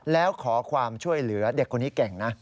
แล้วขอความช่วยเหลือเด็กคนนี้เก่งนะ